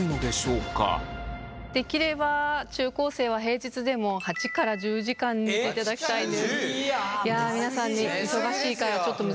できれば中高生は平日でも８から１０時間寝ていただきたいんです。